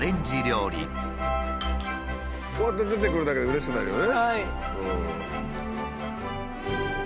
こうやって出てくるだけでうれしくなるよね。